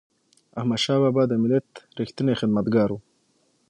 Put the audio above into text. احمدشاه بابا د ملت ریښتینی خدمتګار و.